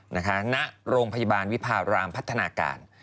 ณโรงพยาบาลวิพารามพัฒนาการ